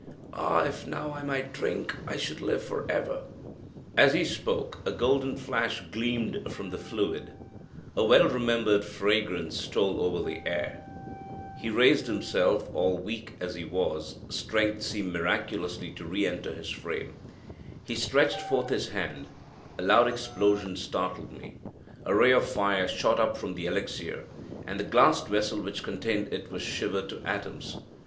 Ah! if now I might drink, I should live for ever!" As he spoke, a golden flash gleamed from the fluid; a well remembered fragrance stole over the air; he raised himself, all weak as he was strength seemed miraculously to re enter his frame he stretched forth his hand a loud explosion startled me a ray of fire shot up from the elixir, and the glass vessel which contained it was shivered to atoms!